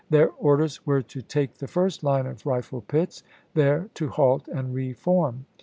Their orders were to take the first line of rifle pits, there to halt and re form.